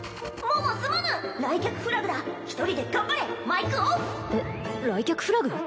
桃すまぬ来客フラグだ１人で頑張れマイクオフえっ来客フラグ？